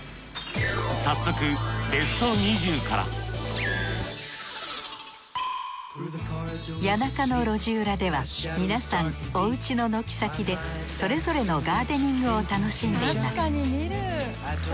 早速谷中の路地裏では皆さんおうちの軒先でそれぞれのガーデニングを楽しんでいます